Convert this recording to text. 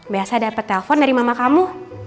biasa dapet telepon dari mama kamu